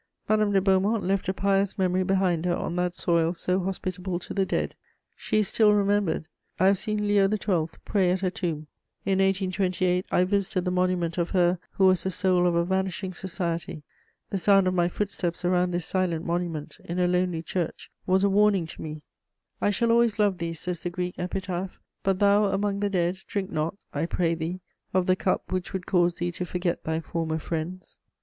Madame de Beaumont left a pious memory behind her on that soil so hospitable to the dead; she is still remembered: I have seen Leo XII. pray at her tomb. In 1828, I visited the monument of her who was the soul of a vanishing society; the sound of my footsteps around this silent monument, in a lonely church, was a warning to me: "I shall always love thee," says the Greek epitaph; "but thou, among the dead, drink not, I pray thee, of the cup which would cause thee to forget thy former friends."